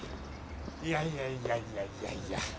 いやいやいやいやいやいや。